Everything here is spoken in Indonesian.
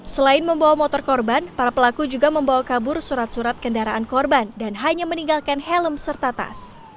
selain membawa motor korban para pelaku juga membawa kabur surat surat kendaraan korban dan hanya meninggalkan helm serta tas